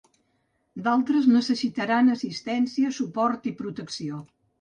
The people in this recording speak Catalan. D'altres necessitaran assistència, suport i protecció.